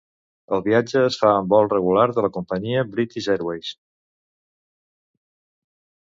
El viatge es fa en vol regular de la companyia British Airways.